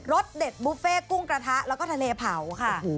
สเด็ดบุฟเฟ่กุ้งกระทะแล้วก็ทะเลเผาค่ะ